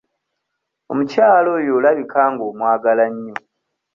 Omukyala oyo olabika nga omwagala nnyo.